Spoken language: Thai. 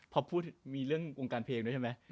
พอพูดมีเรื่องวงการเพลงด้วยใช่ไหม